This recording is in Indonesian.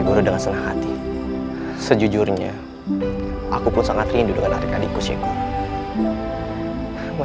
baik sheikh guru